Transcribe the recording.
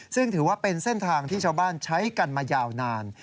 ซึ่งถือว่าเป็นเส้นทางที่ชาวบ้านใช้กันมายาวนาน